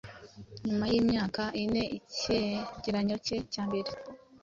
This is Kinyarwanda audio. Nyuma yimyaka ineicyegeranyo cye cya mbere